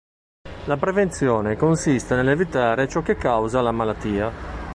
La prevenzione consiste nell'evitare ciò che causa la malattia.